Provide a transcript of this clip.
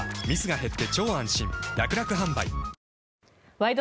「ワイド！